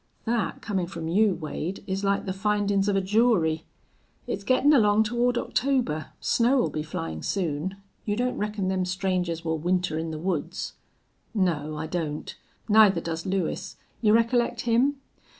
"Thet comin' from you, Wade, is like the findin's of a jury.... It's gettin' along toward October. Snow'll be flyin' soon. You don't reckon them strangers will winter in the woods?" "No, I don't. Neither does Lewis. You recollect him?"